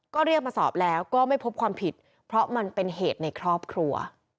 ก็เรียกมาสอบแล้วก็ไม่พบความผิดเพราะมันเป็นเหตุในครอบครัว